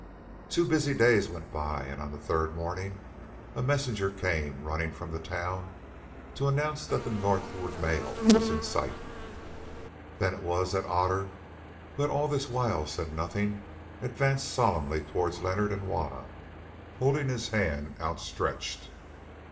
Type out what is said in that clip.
Two busy days went by, and on the third morning a messenger came running from the town to announce that the northward mail was in sight. Then it was that Otter, who all this while had said nothing, advanced solemnly towards Leonard and Juanna, holding his hand outstretched.